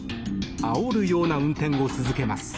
あおるような運転を続けます。